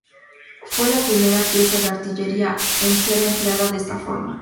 Fue la primera pieza de artillería en ser empleada de esta forma.